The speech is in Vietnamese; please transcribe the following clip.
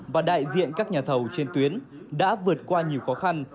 và đại diện các nhà thầu trên tuyến đã vượt qua nhiều khó khăn